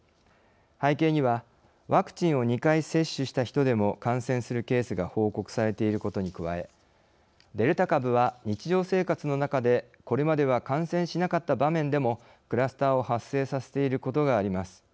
背景にはワクチンを２回接種した人でも感染するケースが報告されていることに加えデルタ株は日常生活の中でこれまでは感染しなかった場面でもクラスターを発生させていることがあります。